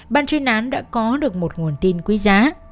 ban chuyên án đã có được một nguồn tin quý giá